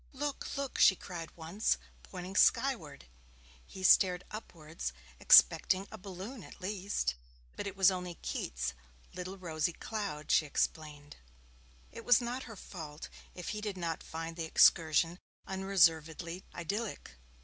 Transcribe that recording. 'Look, look!' she cried once, pointing skyward. He stared upwards, expecting a balloon at least. But it was only 'Keats' little rosy cloud', she explained. It was not her fault if he did not find the excursion unreservedly idyllic.